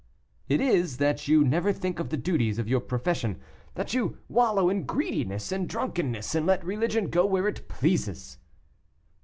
"It is, that you never think of the duties of your profession, that you wallow in greediness and drunkenness, and let religion go where it pleases."